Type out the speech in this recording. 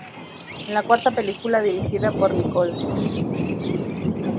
Es la cuarta película dirigida por Nichols.